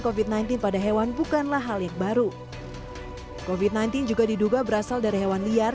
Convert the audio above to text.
covid sembilan belas pada hewan bukanlah hal yang baru covid sembilan belas juga diduga berasal dari hewan liar